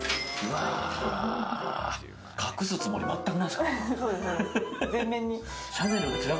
隠すつもり全くないですね。